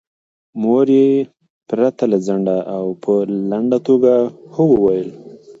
مور یې پرته له ځنډه او په لنډه توګه هو وویل.